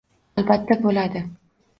Albatta bo'ladi